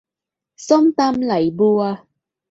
ส้มตำไหลบัว